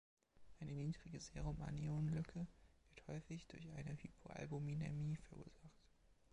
Eine niedrige Serum-Anionen-Lücke wird häufig durch eine Hypoalbuminämie verursacht.